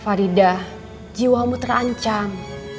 farida jiwamu terancam